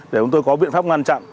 để chúng tôi có biện pháp ngăn chặn